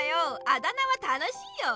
あだ名は楽しいよ。